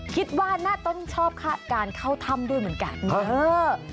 คิดว่าน่าต้องชอบคาดการเข้าถ้ำด้วยเหมือนกัน